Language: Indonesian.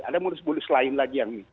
ada modus modus lain lagi yang